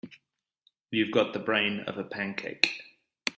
You've got the brain of a pancake.